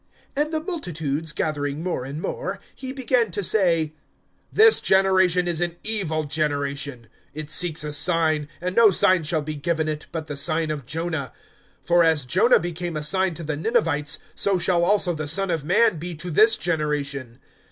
(29)And the multitudes gathering more and more, he began to say: This generation is an evil generation. It seeks a sign; and no sign shall be given it, but the sign of Jonah. (30)For as Jonah became a sign to the Ninevites, so shall also the Son of man be to this generation.